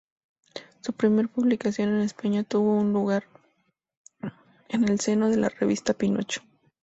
Su primera publicación en España tuvo lugar en el seno de la revista Pinocho.